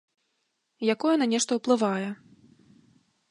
Якое на нешта ўплывае.